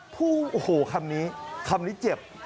พูดโอ้โฮคำนี้เห็นเจ็บ